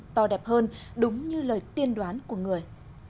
to đẹp hơn đúng như lời tiên đoán của người